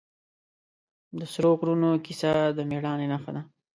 د سرو غرونو کیسه د مېړانې نښه ده.